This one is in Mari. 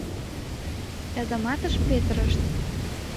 Казаматыш петырышт!